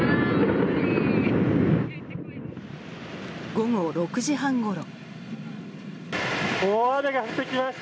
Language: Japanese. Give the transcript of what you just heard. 午後６時半ごろ。